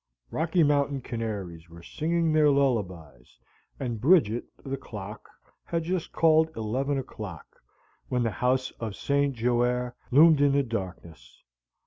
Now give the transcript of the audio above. _ Rocky Mountain canaries were singing their lullabys and Bridget (the clock) had just called eleven o'clock when the house of St. Joer loomed in the darkness.